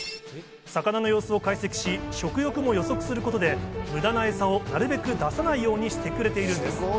魚の様子を解析し、食欲を予測することで、無駄なエサをなるべく出さないようにしてくれているんです。